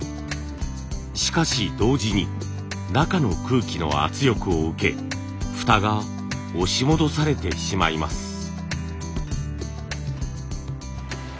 しかし同時に中の空気の圧力を受けフタが押し戻されてしまいます。